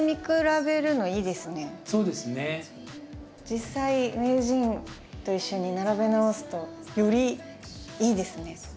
実際名人と一緒に並べ直すとよりいいですね。